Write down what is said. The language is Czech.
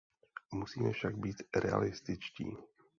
Musíme však být realističtí.